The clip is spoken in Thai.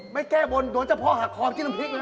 ไม่แก้บนโดนจะพ่อหักคอมจิ๊นลำพริกเลย